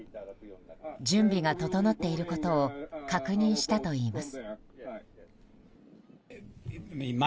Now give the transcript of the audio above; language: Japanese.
準備が整っていることを確認したといいます。